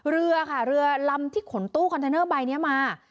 เรือค่ะเรือลำที่ขนตู้คอนเทนเนอร์ใบนี้มา